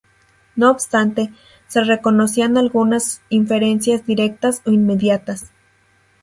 No obstante, se reconocían algunas inferencias directas o inmediatas.